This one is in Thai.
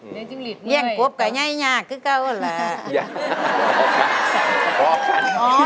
เลี้ยงจิ้งหลีดเมื่อยเลี้ยงกบก็ยายยากก็เก่าแล้ว